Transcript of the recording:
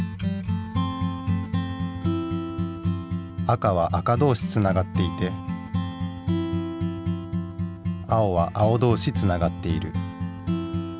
赤は赤どうしつながっていて青は青どうしつながっている。